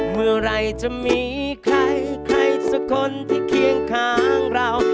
เมื่อไหร่จะมีใครใครสักคนที่เคียงข้างเรา